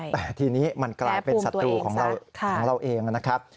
แต่ทีนี้มันกลายเป็นศัตรูของเราเองนะครับ